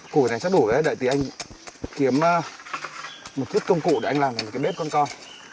củi này chắc đủ đấy đợi tí anh kiếm một chiếc công cụ để anh làm một cái bếp con con